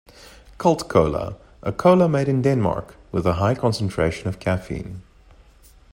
Cult Cola a cola made in Denmark, with a high concentration of caffeine.